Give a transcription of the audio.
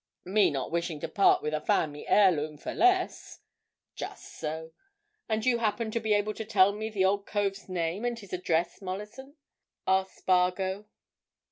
"Me not wishing to part with a family heirloom for less." "Just so. And do you happen to be able to tell me the old cove's name and his address, Mollison?" asked Spargo.